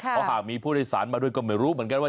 เพราะหากมีผู้โดยสารมาด้วยก็ไม่รู้เหมือนกันว่า